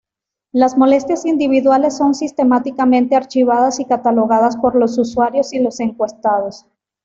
Las molestias individuales son sistemáticamente archivadas y catalogadas por los usuarios y los encuestados.